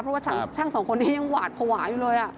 เพราะว่าช่างสองคนนี้ยังหวาดภาวะอยู่เลย